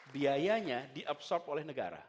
biayanya diabsorb oleh negara